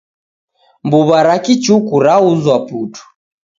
Mbuwa ra kichuku rauzwa putu